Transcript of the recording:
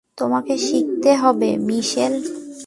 তোমাকে শিখতে হবে, মিশেল।